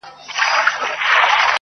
دا به نو حتمي وي کرامت د نوي کال.